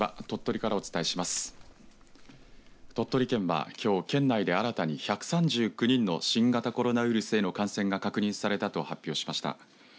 鳥取県は、きょう県内で新たに１３９人の新型コロナウイルスへの感染が確認されたと発表しました。